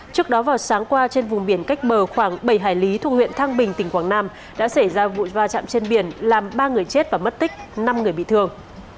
trước đó vào sáng qua trên vùng biển cách bờ khoảng bảy hải lý thuộc huyện thăng bình tỉnh quảng nam đã xảy ra vụ va chạm trên biển làm ba người chết và mất tích năm người bị thương